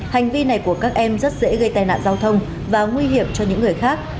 hành vi này của các em rất dễ gây tai nạn giao thông và nguy hiểm cho những người khác